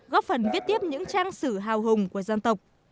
góp phần viết tiếp những trang sử hào hùng của dân tộc